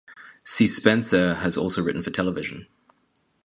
Si Spencer has also written for television.